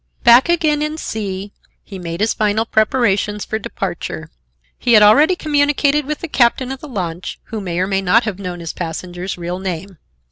Back again in C—, he made his final preparations for departure. He had already communicated with the captain of the launch, who may or may not have known his passenger's real name.